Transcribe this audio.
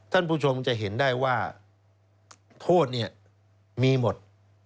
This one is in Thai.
ท่านผู้ชมจะเห็นได้ว่าโทษเนี่ยมีหมด